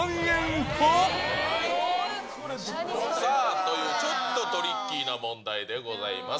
さあ、ちょっとトリッキーな問題でございます。